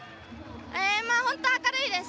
本当、明るいです。